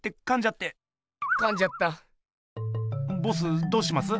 ボスどうします？